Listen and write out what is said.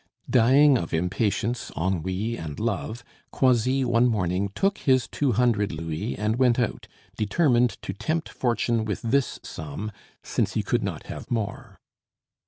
Dying of impatience, ennui, and love, Croisilles one morning took his two hundred louis and went out, determined to tempt fortune with this sum, since he could not have more.